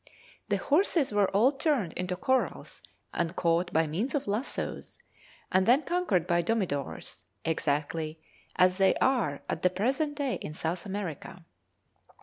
The horses were all turned into corrals and caught by means of lassos, and then conquered by domidores, exactly as they are at the present day in South America.